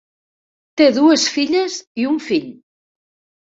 Té dues filles i un fill.